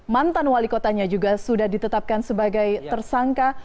mantan wali kotanya juga sudah ditetapkan sebagai tersangka